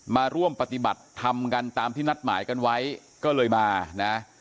มาร่วมปฏิบัติธรรมกันตามที่นัดหมายกันไว้ก็เลยมานะ